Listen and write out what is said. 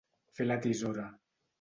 Fer la tisora.